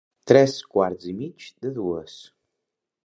Tres quarts i mig de dues.